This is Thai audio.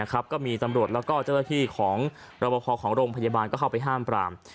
ก็มีตำรวจแล้วก็เจ้าหน้าที่ของรบพอของโรงพยาบาลก็เข้าไปห้ามปราม